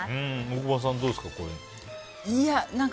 大久保さん、どうですか？